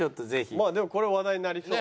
まあでもこれは話題になりそう。